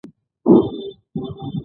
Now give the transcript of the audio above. د حرارتي توسعې له امله فلزات پراخېږي.